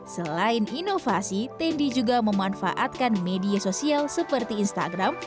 selain inovasi tendy juga memanfaatkan media sosial seperti instagram